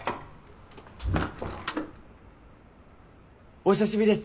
お久しぶりです